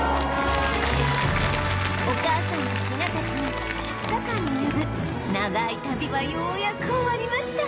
お母さんとヒナたちの２日間に及ぶ長い旅はようやく終わりました